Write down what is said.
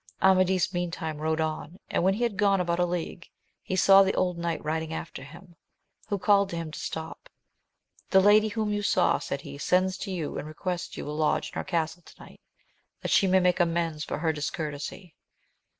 Amadis meantime rode on, and when he had gone about a league, he saw the old knight riding after him, who called to him to stop. The lady whom you saw, said he, sends to you, and requests you wiIl\o4gp\si\i« Qa.^>\^\»iv^s^^*vifta^^^ AMADIS OF GAUL. 135 may make amends for her discourtesy.